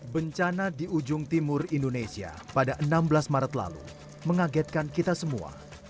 bencana di ujung timur indonesia pada enam belas maret lalu mengagetkan kita semua